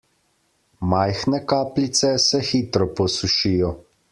Majhne kapljice se hitro posušijo.